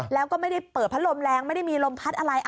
แล้วก็ไม่ได้เปิดพัดลมแรงไม่ได้มีลมพัดอะไร